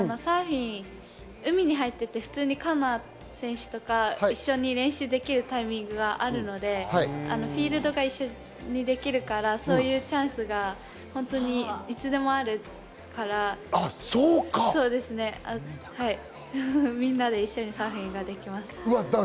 海に入っていて、カノア選手とか一緒に練習できるタイミングがあるので、フィールドが一緒にできるから、そういうチャンスがいつでもあるから、みんなで一緒にサーフィンができます。